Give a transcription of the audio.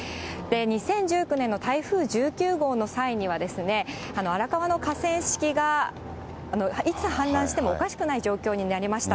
２０１９年の台風１９号の際には、荒川の河川敷が、いつ氾濫してもおかしくない状況になりました。